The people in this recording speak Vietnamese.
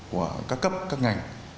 của các cấp các ngành